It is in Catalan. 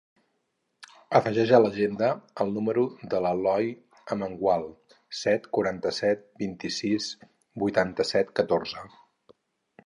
Afegeix a l'agenda el número de l'Eloi Amengual: set, quaranta-set, vint-i-sis, vuitanta-set, catorze.